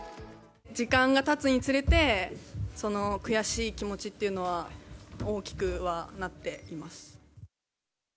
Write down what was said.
時間がたつにつれて、その悔しい気持ちっていうのは大きくはなっています。